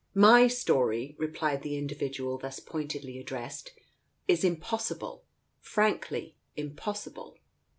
"My story," replied the individual thus pointedly addressed, "is impossible, frankly impossible."